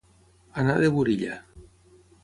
Anar de burilla.